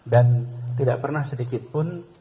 dan tidak pernah sedikitpun